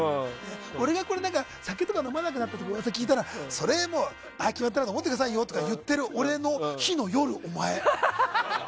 俺がこれで酒とか飲まなくなったって噂を聞いたら、決まったなって思ってくださいよとか言ってる俺その日の夜がお前。